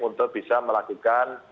untuk bisa melakukan